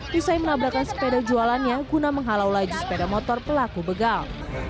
usai menabrakan sepeda jualannya guna menghalau laju sepeda motor pelaku begal